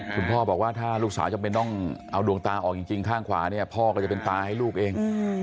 คุณพ่อบอกว่าถ้าลูกสาวจำเป็นต้องเอาดวงตาออกจริงข้างขวาเนี่ยพ่อก็จะเป็นตาให้ลูกเอง